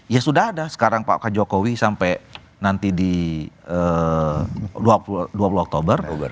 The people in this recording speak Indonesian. ya sudah ada sekarang pak jokowi sampai nanti di dua puluh oktober